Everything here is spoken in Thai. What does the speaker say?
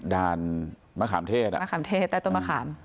ด่านมะขามเทศอ่ะมะขามเทศใต้ต้นมะขาม